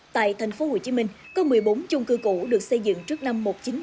tại tp hcm có một mươi bốn chung cư cũ được xây dựng trước năm một nghìn chín trăm bảy mươi